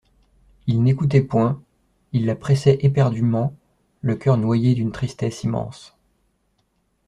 Il n'écoutait point, il la pressait éperdument, le coeur noyé d'une tristesse immense.